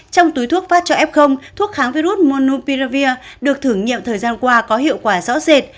trong túi thuốc phát cho f thuốc kháng virus monum piervir được thử nghiệm thời gian qua có hiệu quả rõ rệt